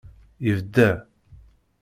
Yebda.